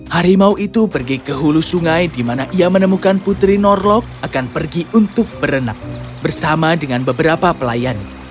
harimau itu pergi ke hulu sungai di mana ia menemukan putri norlok akan pergi untuk berenang bersama dengan beberapa pelayan